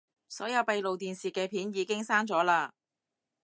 所有閉路電視嘅片已經刪咗喇